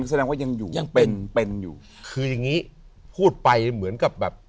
แสดงว่ายังอยู่ยังเป็นเป็นอยู่คืออย่างงี้พูดไปเหมือนกับแบบ